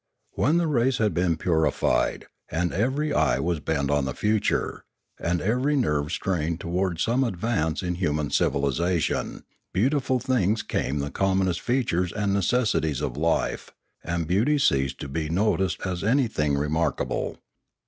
When the race had been purified, and every eye was bent on the future, and every nerve strained toward some advance in human civilisation, beautiful things became the commonest features and necessities of life, and beauty ceased to be noticed as anything remarkable.